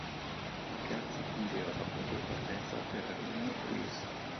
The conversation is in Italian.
La piazza fungeva da punto di partenza per Avenue Louise.